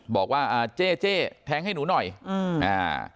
บอกว่าอ่าเจ๊เจ๊แทงให้หนูหน่อยอืมอ่า